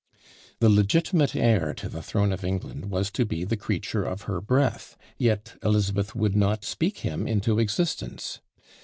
The legitimate heir to the throne of England was to be the creature of her breath, yet Elizabeth would not speak him into existence!